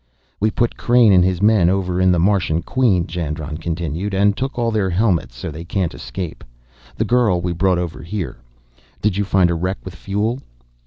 "We put Crain and his men over in the Martian Queen," Jandron continued, "and took all their helmets so they can't escape. The girl we brought over here. Did you find a wreck with fuel?"